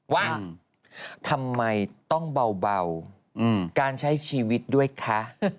ว่าทำไมต้องเบาการใช้ชีวิตด้วยคะ